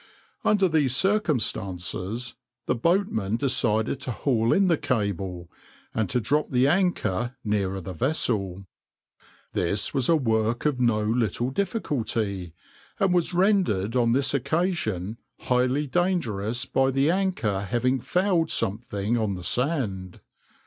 Under these circumstances, the boatmen decided to haul in the cable, and to drop the anchor nearer the vessel. This was a work of no little difficulty, and was rendered on this occasion highly dangerous by the anchor having fouled something on the sand.